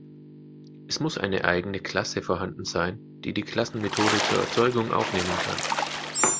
Es muss eine eigene Klasse vorhanden sein, die die Klassen-Methode zur Erzeugung aufnehmen kann.